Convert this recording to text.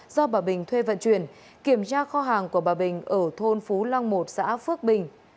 do bà bình thuê vận chuyển kiểm tra kho hàng của bà bình ở thôn phú long một xã phước bình